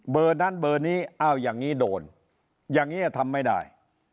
เบอร์นั้นเบอร์นี้เอาอย่างนี้โดนอย่างนี้ทำไม่ได้